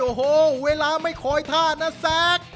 โอ้โหเวลาไม่คอยท่านะแซค